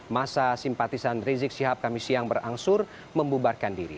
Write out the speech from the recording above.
masa simpatisan rizik sihab kami siang berangsur membubarkan diri